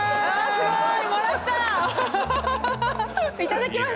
すごい！